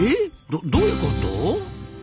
どういうこと？